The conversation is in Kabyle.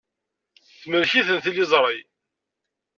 Temlek-iten tliẓri.